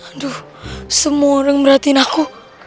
aduh semua orang merhatiin aku